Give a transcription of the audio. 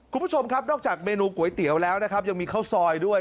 คุณผู้ชมครับนอกจากเมนูก๋วยเตี๋ยวแล้วนะครับยังมีข้าวซอยด้วย